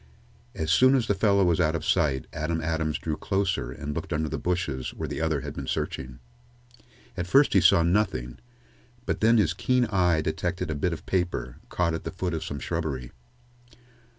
As soon as the fellow was ought of sight, Adam Adams drew closer and looked under the bushes where the other had been searching. At first he saw nothing, but then his keen eye detected a bit of paper, caught at the foot of some shrubbery.